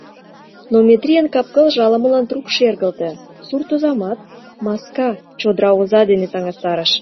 Но Метрийын кап-кылже ала-молан трук шергылте, суртозамат маска — чодыра оза дене таҥастарыш.